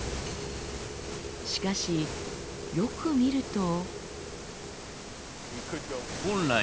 しかしよく見ると。